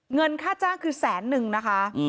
เงินฆ่าจ้างคือศูนย์๑แสนนะคะ